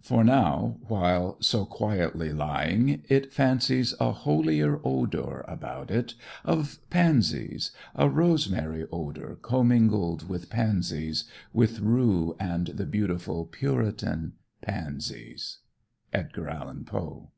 For now, while so quietly Lying, it fancies A holier odor About it, of pansies A rosemary odor Commingled with pansies. With rue and the beautiful Puritan pansies. Edgar Allan Poe.